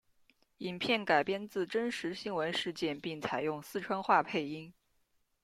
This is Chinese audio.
影片改编自真实新闻事件并采用四川话配音。